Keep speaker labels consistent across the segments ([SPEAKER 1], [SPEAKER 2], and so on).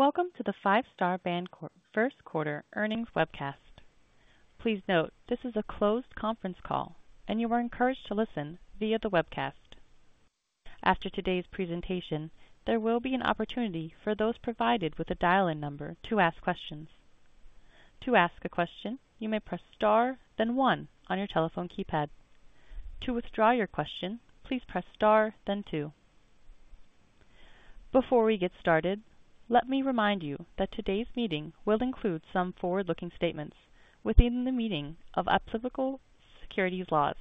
[SPEAKER 1] Welcome to the Five Star Bancorp First Quarter Earnings webcast. Please note this is a closed conference call, and you are encouraged to listen via the webcast. After today's presentation, there will be an opportunity for those provided with a dial-in number to ask questions. To ask a question, you may press * then one on your telephone keypad. To withdraw your question, please press * then two. Before we get started, let me remind you that today's meeting will include some forward-looking statements within the meaning of applicable securities laws.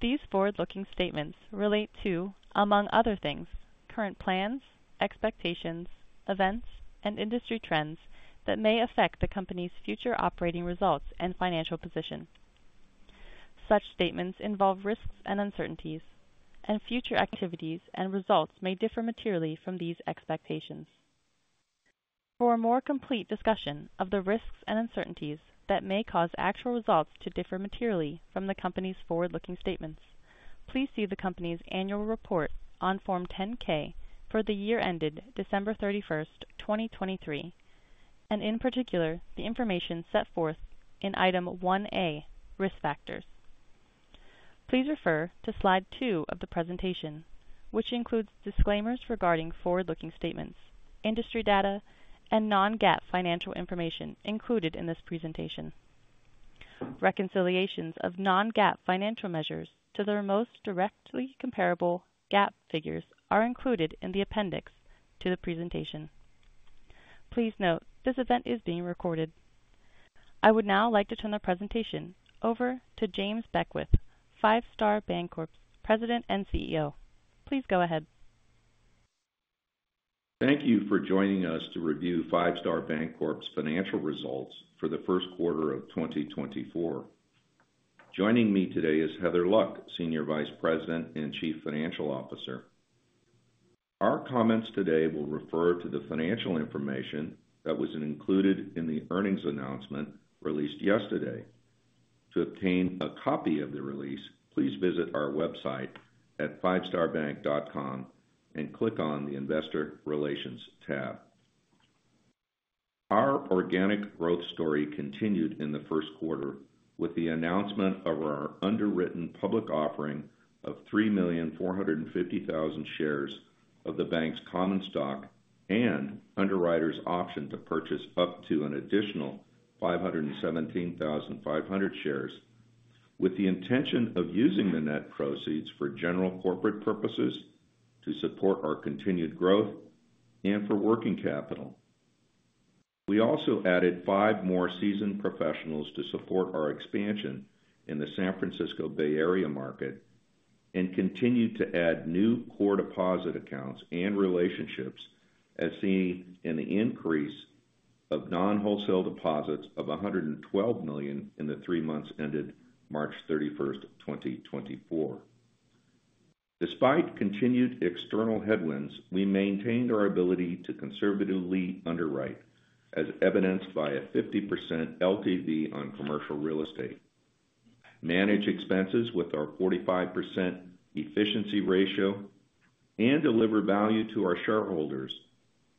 [SPEAKER 1] These forward-looking statements relate to, among other things, current plans, expectations, events, and industry trends that may affect the company's future operating results and financial position. Such statements involve risks and uncertainties, and future activities and results may differ materially from these expectations. For a more complete discussion of the risks and uncertainties that may cause actual results to differ materially from the company's forward-looking statements, please see the company's annual report on Form 10-K for the year ended December 31st, 2023, and in particular the information set forth in Item 1A, Risk Factors. Please refer to Slide two of the presentation, which includes disclaimers regarding forward-looking statements, industry data, and non-GAAP financial information included in this presentation. Reconciliations of non-GAAP financial measures to the most directly comparable GAAP figures are included in the appendix to the presentation. Please note this event is being recorded. I would now like to turn the presentation over to James Beckwith, Five Star Bancorp's President and CEO. Please go ahead.
[SPEAKER 2] Thank you for joining us to review Five Star Bancorp's financial results for the first quarter of 2024. Joining me today is Heather Luck, Senior Vice President and Chief Financial Officer. Our comments today will refer to the financial information that was included in the earnings announcement released yesterday. To obtain a copy of the release, please visit our website at fivestarbank.com and click on the Investor Relations tab. Our organic growth story continued in the first quarter with the announcement of our underwritten public offering of 3,450,000 shares of the bank's common stock and underwriters' option to purchase up to an additional 517,500 shares, with the intention of using the net proceeds for general corporate purposes, to support our continued growth, and for working capital. We also added five more seasoned professionals to support our expansion in the San Francisco Bay Area market and continued to add new core deposit accounts and relationships, as seen in the increase of non-wholesale deposits of $112 million in the three months ended March 31st, 2024. Despite continued external headwinds, we maintained our ability to conservatively underwrite, as evidenced by a 50% LTV on commercial real estate, manage expenses with our 45% efficiency ratio, and deliver value to our shareholders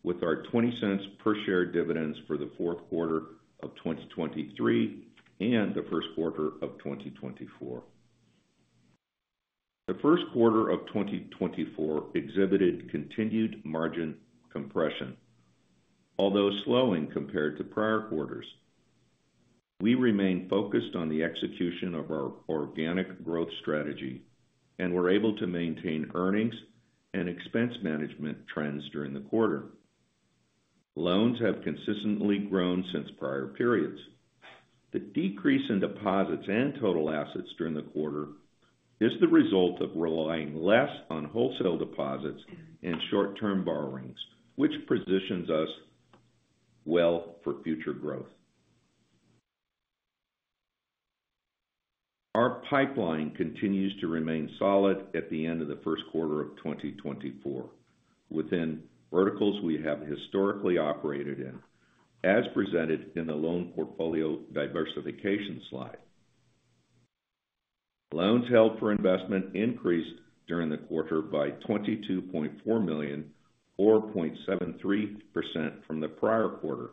[SPEAKER 2] with our $0.20 per share dividends for the fourth quarter of 2023 and the first quarter of 2024. The first quarter of 2024 exhibited continued margin compression, although slowing compared to prior quarters. We remained focused on the execution of our organic growth strategy and were able to maintain earnings and expense management trends during the quarter. Loans have consistently grown since prior periods. The decrease in deposits and total assets during the quarter is the result of relying less on wholesale deposits and short-term borrowings, which positions us well for future growth. Our pipeline continues to remain solid at the end of the first quarter of 2024, within verticals we have historically operated in, as presented in the loan portfolio diversification slide. Loans held for investment increased during the quarter by $22.4 million, or 0.73% from the prior quarter,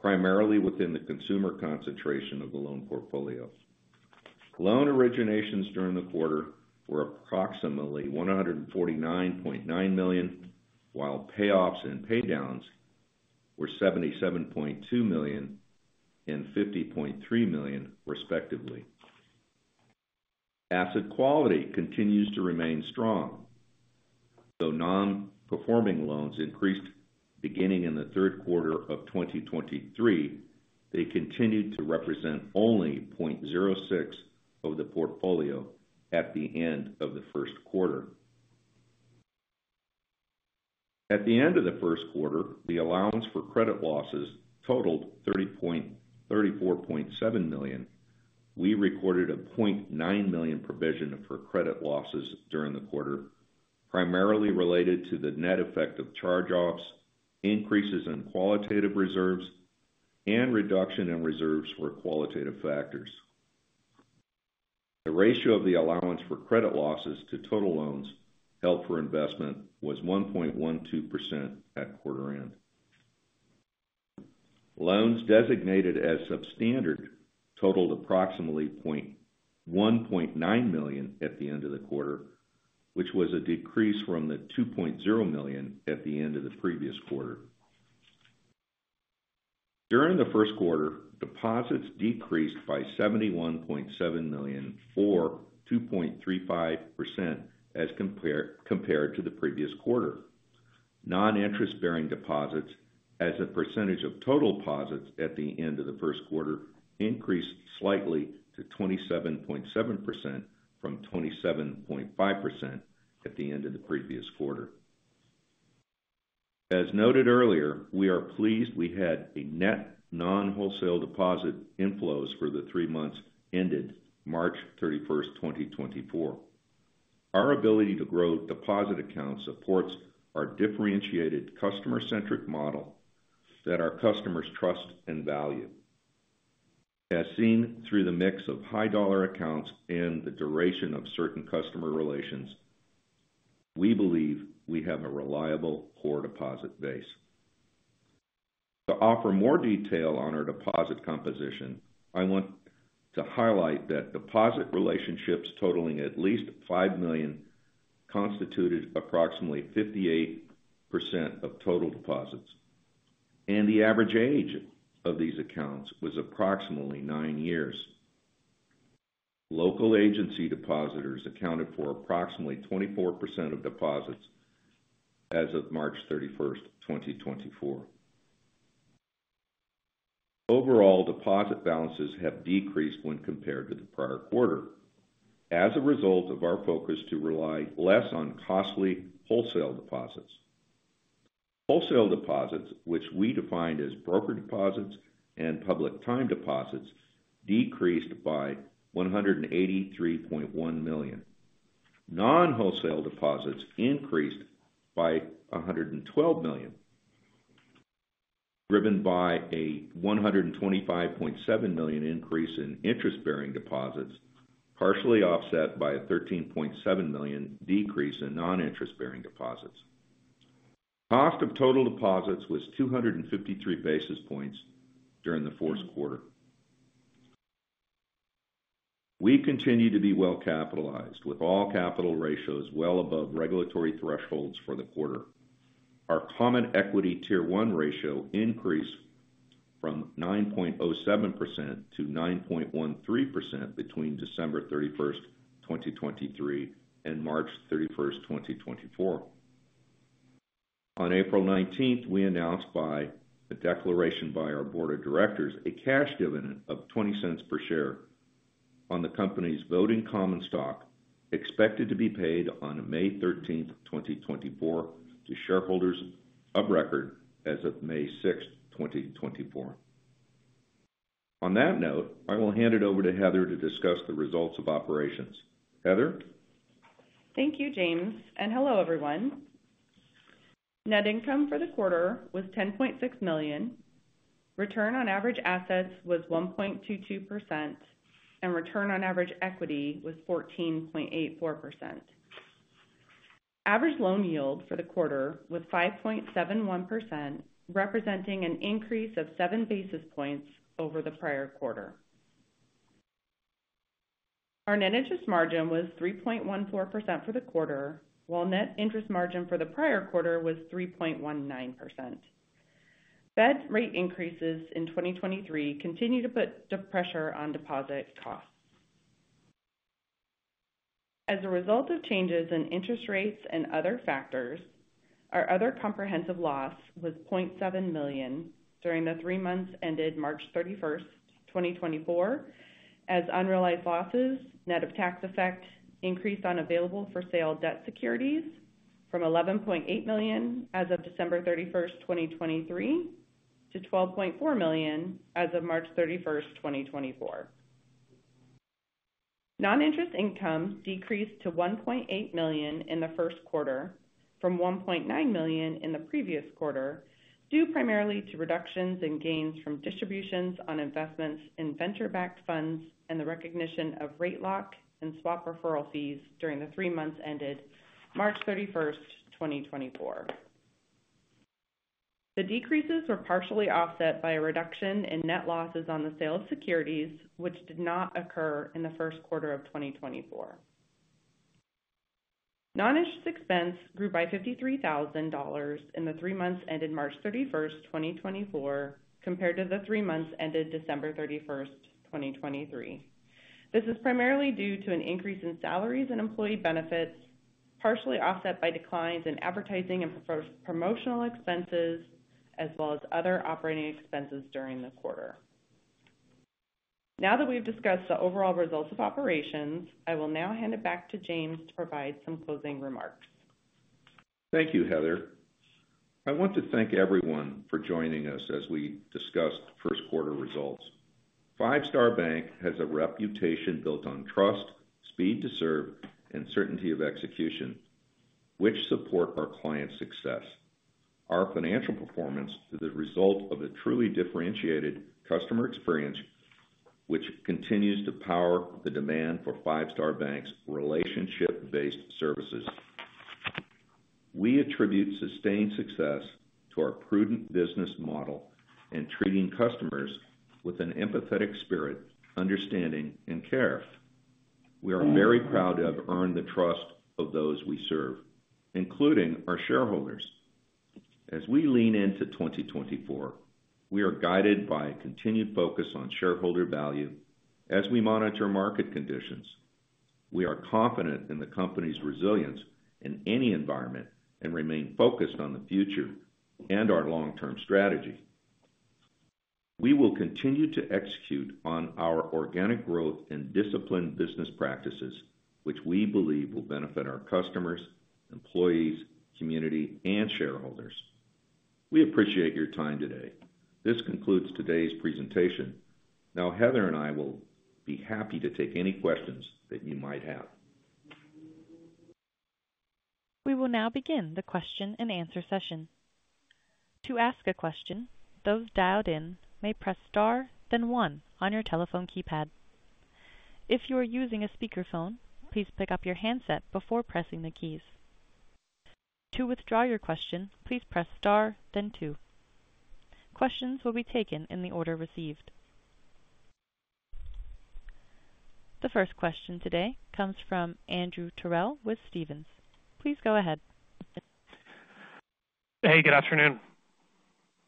[SPEAKER 2] primarily within the consumer concentration of the loan portfolios. Loan originations during the quarter were approximately $149.9 million, while payoffs and paydowns were $77.2 million and $50.3 million, respectively. Asset quality continues to remain strong. Though non-performing loans increased beginning in the third quarter of 2023, they continued to represent only 0.06% of the portfolio at the end of the first quarter. At the end of the first quarter, the allowance for credit losses totaled $34.7 million. We recorded a $0.9 million provision for credit losses during the quarter, primarily related to the net effect of charge-offs, increases in qualitative reserves, and reduction in reserves for qualitative factors. The ratio of the allowance for credit losses to total loans held for investment was 1.12% at quarter-end. Loans designated as substandard totaled approximately $1.9 million at the end of the quarter, which was a decrease from the $2.0 million at the end of the previous quarter. During the first quarter, deposits decreased by $71.7 million, or 2.35%, as compared to the previous quarter. Non-interest-bearing deposits, as a percentage of total deposits at the end of the first quarter, increased slightly to 27.7% from 27.5% at the end of the previous quarter. As noted earlier, we are pleased we had a net non-wholesale deposit inflows for the three months ended March 31st, 2024. Our ability to grow deposit accounts supports our differentiated customer-centric model that our customers trust and value. As seen through the mix of high-dollar accounts and the duration of certain customer relations, we believe we have a reliable core deposit base. To offer more detail on our deposit composition, I want to highlight that deposit relationships totaling at least $5 million constituted approximately 58% of total deposits, and the average age of these accounts was approximately nine years. Local agency depositors accounted for approximately 24% of deposits as of March 31st, 2024. Overall deposit balances have decreased when compared to the prior quarter as a result of our focus to rely less on costly wholesale deposits. Wholesale deposits, which we defined as brokered deposits and public time deposits, decreased by $183.1 million. Non-wholesale deposits increased by $112 million, driven by a $125.7 million increase in interest-bearing deposits, partially offset by a $13.7 million decrease in non-interest-bearing deposits. Cost of total deposits was 253 basis points during the fourth quarter. We continue to be well capitalized, with all capital ratios well above regulatory thresholds for the quarter. Our Common Equity Tier One ratio increased from 9.07%-9.13% between December 31st, 2023, and March 31st, 2024. On April 19th, we announced by a declaration by our board of directors a cash dividend of $0.20 per share on the company's voting common stock, expected to be paid on May 13th, 2024, to shareholders of record as of May 6th, 2024. On that note, I will hand it over to Heather to discuss the results of operations. Heather?
[SPEAKER 3] Thank you, James, and hello, everyone. Net income for the quarter was $10.6 million. Return on average assets was 1.22%, and return on average equity was 14.84%. Average loan yield for the quarter was 5.71%, representing an increase of 7 basis points over the prior quarter. Our net interest margin was 3.14% for the quarter, while net interest margin for the prior quarter was 3.19%. Fed rate increases in 2023 continue to put pressure on deposit costs. As a result of changes in interest rates and other factors, our other comprehensive loss was $0.7 million during the three months ended March 31st, 2024, as unrealized losses, net of tax effect, increased on available-for-sale debt securities from $11.8 million as of December 31st, 2023, to $12.4 million as of March 31st, 2024. Non-interest income decreased to $1.8 million in the first quarter from $1.9 million in the previous quarter, due primarily to reductions in gains from distributions on investments in venture-backed funds and the recognition of rate lock and swap referral fees during the three months ended March 31st, 2024. The decreases were partially offset by a reduction in net losses on the sale of securities, which did not occur in the first quarter of 2024. Non-interest expense grew by $53,000 in the three months ended March 31st, 2024, compared to the three months ended December 31st, 2023. This is primarily due to an increase in salaries and employee benefits, partially offset by declines in advertising and promotional expenses, as well as other operating expenses during the quarter. Now that we've discussed the overall results of operations, I will now hand it back to James to provide some closing remarks.
[SPEAKER 2] Thank you, Heather. I want to thank everyone for joining us as we discussed first quarter results. Five Star Bank has a reputation built on trust, speed to serve, and certainty of execution, which support our clients' success. Our financial performance is the result of a truly differentiated customer experience, which continues to power the demand for Five Star Bank's relationship-based services. We attribute sustained success to our prudent business model and treating customers with an empathetic spirit, understanding, and care. We are very proud to have earned the trust of those we serve, including our shareholders. As we lean into 2024, we are guided by a continued focus on shareholder value as we monitor market conditions. We are confident in the company's resilience in any environment and remain focused on the future and our long-term strategy. We will continue to execute on our organic growth and disciplined business practices, which we believe will benefit our customers, employees, community, and shareholders. We appreciate your time today. This concludes today's presentation. Now, Heather and I will be happy to take any questions that you might have.
[SPEAKER 1] We will now begin the question and answer session. To ask a question, those dialed in may press star, then one, on your telephone keypad. If you are using a speakerphone, please pick up your handset before pressing the keys. To withdraw your question, please press star, then two. Questions will be taken in the order received. The first question today comes from Andrew Terrell with Stephens. Please go ahead.
[SPEAKER 4] Hey, good afternoon.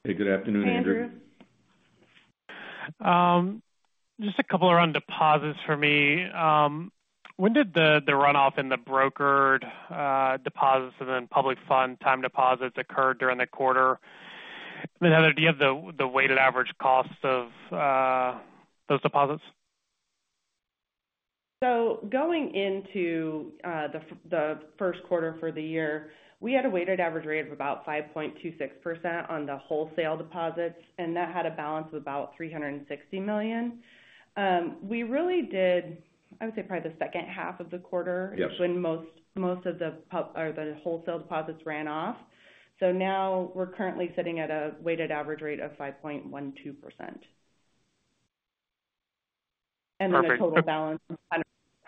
[SPEAKER 2] Hey, good afternoon, Andrew.
[SPEAKER 3] Hey, Andrew.
[SPEAKER 4] Just a couple around deposits for me. When did the runoff in the brokered deposits and then public funds time deposits occur during the quarter? And then, Heather, do you have the weighted average cost of those deposits?
[SPEAKER 3] So going into the first quarter for the year, we had a weighted average rate of about 5.26% on the wholesale deposits, and that had a balance of about $360 million. We really did, I would say, probably the second half of the quarter is when most of the wholesale deposits ran off. So now we're currently sitting at a weighted average rate of 5.12%. And then the total balance is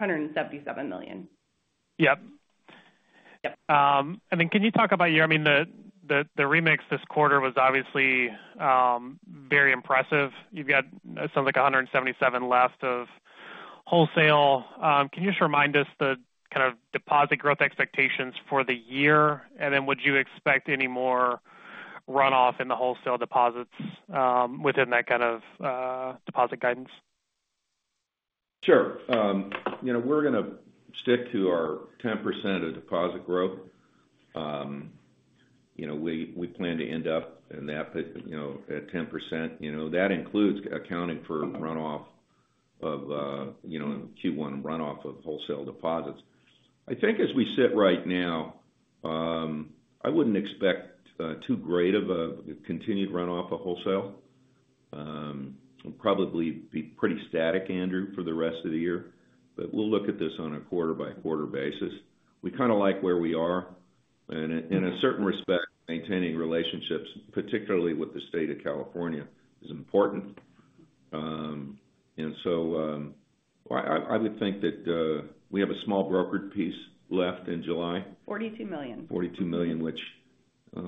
[SPEAKER 3] $177 million.
[SPEAKER 4] Yep. And then, can you talk about your—I mean, the remix this quarter was obviously very impressive. You've got, it sounds like, $177 million left of wholesale. Can you just remind us the kind of deposit growth expectations for the year? And then, would you expect any more runoff in the wholesale deposits within that kind of deposit guidance?
[SPEAKER 2] Sure. We're going to stick to our 10% of deposit growth. We plan to end up in that at 10%. That includes accounting for runoff of Q1 runoff of wholesale deposits. I think as we sit right now, I wouldn't expect too great of a continued runoff of wholesale. It'll probably be pretty static, Andrew, for the rest of the year. But we'll look at this on a quarter-by-quarter basis. We kind of like where we are. And in a certain respect, maintaining relationships, particularly with the state of California, is important. And so I would think that we have a small brokered piece left in July.
[SPEAKER 3] $42 million.
[SPEAKER 2] $42 million, which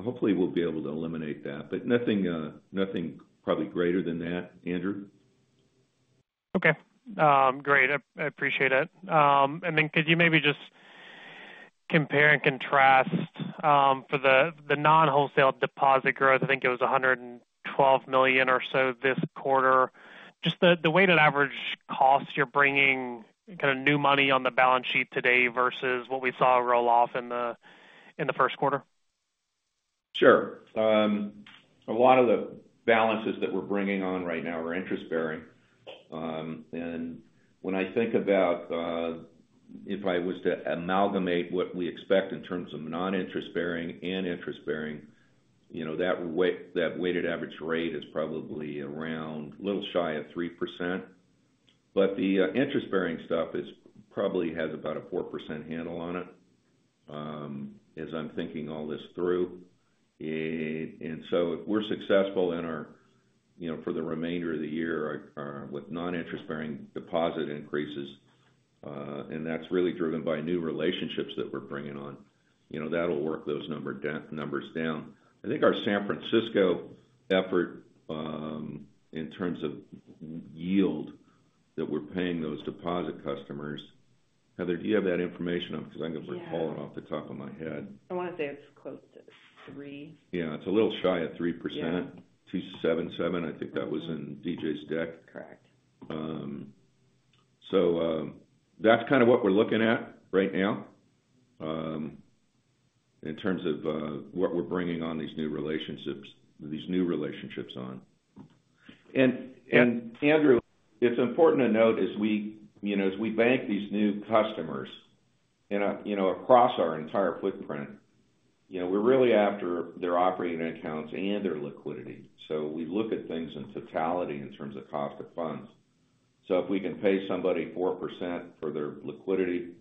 [SPEAKER 2] hopefully we'll be able to eliminate that. But nothing probably greater than that, Andrew.
[SPEAKER 4] Okay. Great. I appreciate it. And then could you maybe just compare and contrast for the non-wholesale deposit growth? I think it was $112 million or so this quarter. Just the weighted average costs you're bringing kind of new money on the balance sheet today versus what we saw roll off in the first quarter.
[SPEAKER 2] Sure. A lot of the balances that we're bringing on right now are interest-bearing. And when I think about if I was to amalgamate what we expect in terms of non-interest-bearing and interest-bearing, that weighted average rate is probably around a little shy of 3%. But the interest-bearing stuff probably has about a 4% handle on it, as I'm thinking all this through. And so if we're successful in our for the remainder of the year with non-interest-bearing deposit increases, and that's really driven by new relationships that we're bringing on, that'll work those numbers down. I think our San Francisco effort in terms of yield that we're paying those deposit customers, Heather. Do you have that information on because I'm going to recall it off the top of my head?
[SPEAKER 3] I want to say it's close to 3.
[SPEAKER 2] Yeah. It's a little shy of 3%. 277, I think that was in DJ's deck.
[SPEAKER 3] Correct.
[SPEAKER 2] So that's kind of what we're looking at right now in terms of what we're bringing on these new relationships on. And Andrew. It's important to note as we bank these new customers across our entire footprint, we're really after their operating accounts and their liquidity. So we look at things in totality in terms of cost of funds. So if we can pay somebody 4% for their liquidity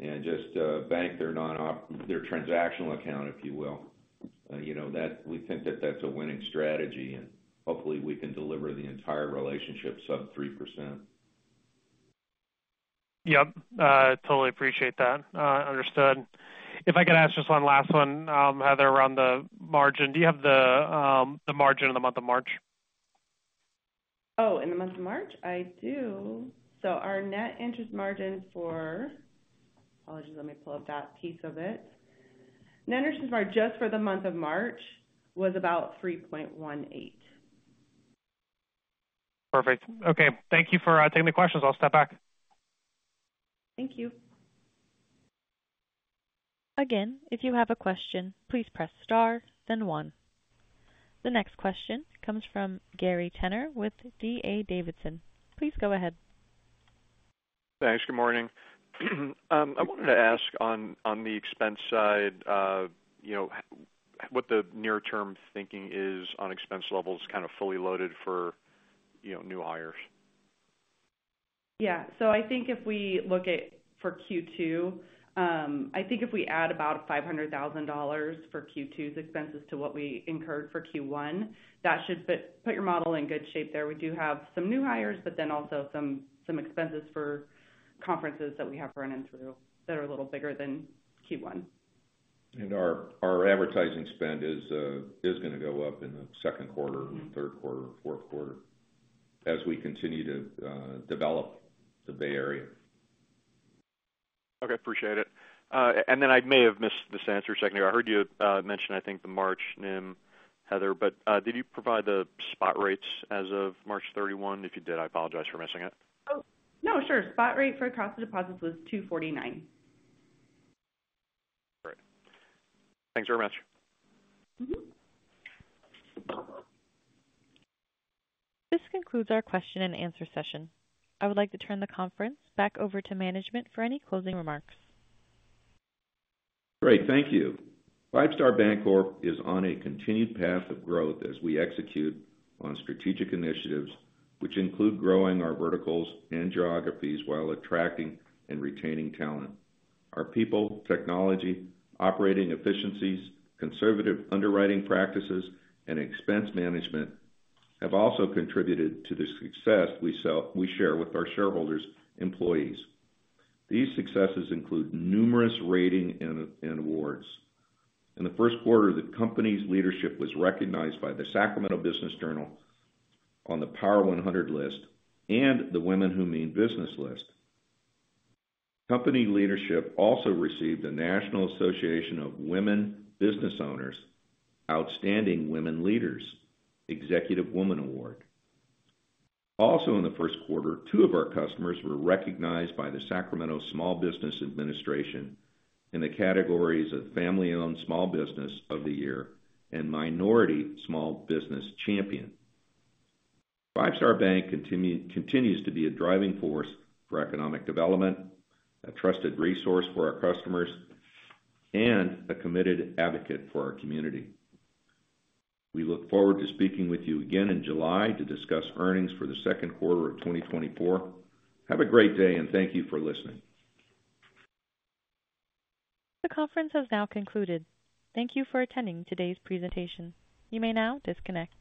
[SPEAKER 2] and just bank their transactional account, if you will, we think that that's a winning strategy. And hopefully, we can deliver the entire relationship sub 3%.
[SPEAKER 4] Yep. Totally appreciate that. Understood. If I could ask just one last one, Heather, around the margin, do you have the margin of the month of March?
[SPEAKER 3] Oh, in the month of March? I do. So our net interest margin, apologies, let me pull up that piece of it. Net interest margin just for the month of March was about 3.18%.
[SPEAKER 4] Perfect. Okay. Thank you for taking the questions. I'll step back.
[SPEAKER 3] Thank you.
[SPEAKER 1] Again, if you have a question, please press star, then one. The next question comes from Gary Tenner with D.A. Davidson. Please go ahead.
[SPEAKER 5] Thanks. Good morning. I wanted to ask on the expense side what the near-term thinking is on expense levels kind of fully loaded for new hires?
[SPEAKER 3] Yeah. So I think if we look at for Q2, I think if we add about $500,000 for Q2's expenses to what we incurred for Q1, that should put your model in good shape there. We do have some new hires, but then also some expenses for conferences that we have running through that are a little bigger than Q1.
[SPEAKER 2] Our advertising spend is going to go up in the second quarter, third quarter, fourth quarter as we continue to develop the Bay Area.
[SPEAKER 5] Okay. Appreciate it. And then I may have missed this answer a second ago. I heard you mention, I think, the March NIM, Heather. But did you provide the spot rates as of March 31? If you did, I apologize for missing it.
[SPEAKER 3] Oh, no. Sure. Spot rate for cost of deposits was 249.
[SPEAKER 5] Great. Thanks very much.
[SPEAKER 1] This concludes our question and answer session. I would like to turn the conference back over to management for any closing remarks.
[SPEAKER 2] Great. Thank you. Five Star Bancorp is on a continued path of growth as we execute on strategic initiatives, which include growing our verticals and geographies while attracting and retaining talent. Our people, technology, operating efficiencies, conservative underwriting practices, and expense management have also contributed to the success we share with our shareholders' employees. These successes include numerous rating and awards. In the first quarter, the company's leadership was recognized by the Sacramento Business Journal on the Power 100 list and the Women Who Mean Business list. Company leadership also received the National Association of Women Business Owners' Outstanding Women Leaders Executive Woman Award. Also, in the first quarter, two of our customers were recognized by the Sacramento Small Business Administration in the categories of Family-Owned Small Business of the Year and Minority Small Business Champion. Five Star Bank continues to be a driving force for economic development, a trusted resource for our customers, and a committed advocate for our community. We look forward to speaking with you again in July to discuss earnings for the second quarter of 2024. Have a great day, and thank you for listening.
[SPEAKER 1] The conference has now concluded. Thank you for attending today's presentation. You may now disconnect.